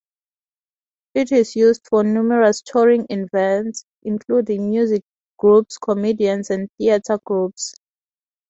It is used for numerous touring events, including music groups, comedians and theatre groups.